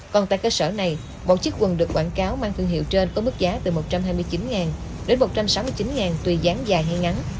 còn tại cơ sở này một chiếc quần được quảng cáo mang thương hiệu trên có mức giá từ một trăm hai mươi chín đến một trăm sáu mươi chín tùy dán dài hay ngắn